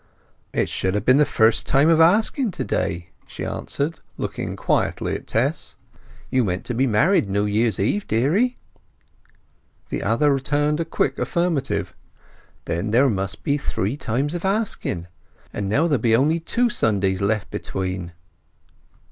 "It should ha' been the first time of asking to day," she answered, looking quietly at Tess. "You meant to be married New Year's Eve, deary?" The other returned a quick affirmative. "And there must be three times of asking. And now there be only two Sundays left between."